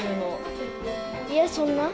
いや、そんな。